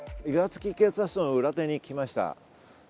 岩槻警察署の裏に来ました。